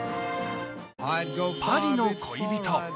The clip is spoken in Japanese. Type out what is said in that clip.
パリの恋人。